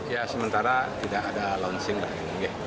ya sementara tidak ada launching lagi